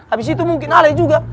habis itu mungkin ale juga